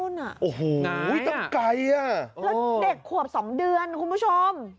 นู่นอ่ะโอ้โหไหนอ่ะตั้งไก่อ่ะแล้วเด็กขวบสองเดือนคุณผู้ชม